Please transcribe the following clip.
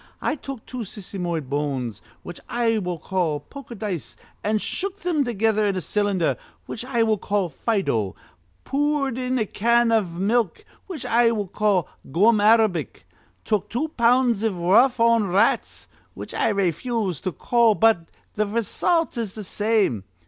I took two sisymoid bones, which I will call poker dice, an' shook thim together in a cylinder, which I will call Fido, poored in a can iv milk, which I will call gum arabic, took two pounds iv rough on rats, which I rayfuse to call; but th' raysult is th' same.'